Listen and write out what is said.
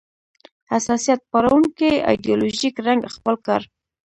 حساسیت پاروونکی ایدیالوژیک رنګ خپل کړ